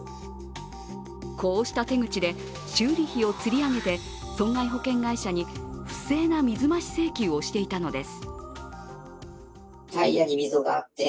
こうした手口で修理費をつり上げて損害保険会社に不正な水増し請求をしていたのです。